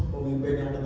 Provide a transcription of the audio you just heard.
pemimpin yang tegas